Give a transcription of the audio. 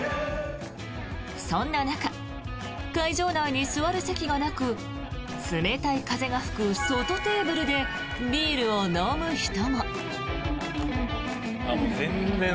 そんな中、会場内に座る席がなく冷たい風が吹く外テーブルでビールを飲む人も。